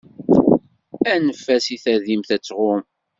Anef-as i tadimt ad tɣumm.